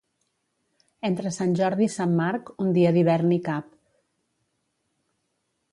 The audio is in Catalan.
Entre Sant Jordi i Sant Marc, un dia d'hivern hi cap.